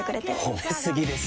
褒め過ぎですよ。